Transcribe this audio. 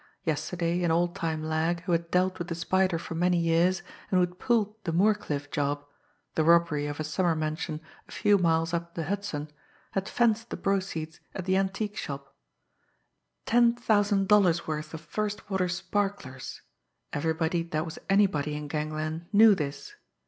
Yesterday, an old time lag, who had dealt with the Spider for many years, and who had "pulled" the Moorcliffe job the robbery of a summer mansion a few miles up the Hudson had "fenced" the proceeds at the antique shop. Ten thousand dollars' worth of first water sparklers! Everybody that was anybody in gangland knew this.